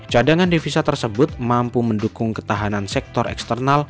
cadangan devisa tersebut mampu mendukung ketahanan sektor eksternal